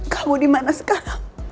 kamu dimana sekarang